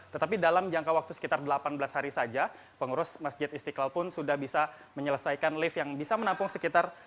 tetapi dalam jangka waktu sekitar delapan belas hari saja pengurus masjid istiqlal pun sudah bisa menyelesaikan lift yang bisa menampung sekitar